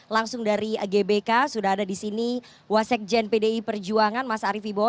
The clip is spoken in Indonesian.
langsung dari gbk sudah ada di sini wasekjen pdi perjuangan mas arief ibo